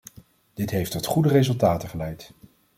Dit heeft tot goede resultaten geleid.